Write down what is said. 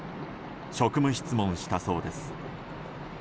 職務質問したそうです。